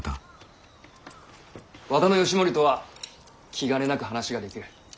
和田義盛とは気兼ねなく話ができる。